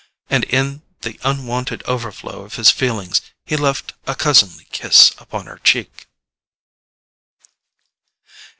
And in the unwonted overflow of his feelings, he left a cousinly kiss upon her cheek.